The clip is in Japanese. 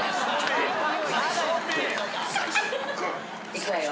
いくわよ。